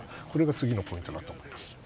それが次のポイントだと思います。